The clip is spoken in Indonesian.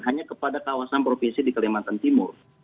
hanya kepada kawasan provinsi di kalimantan timur